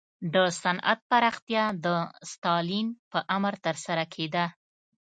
د صنعت پراختیا د ستالین په امر ترسره کېده